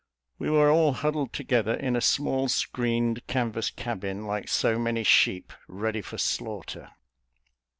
We were all huddled together in a small screened canvas cabin, like so many sheep ready for slaughter.